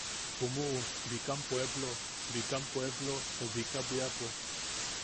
Umuʼu Bikam Pueplo... Bikam Pueplo o Bika Bwiapo.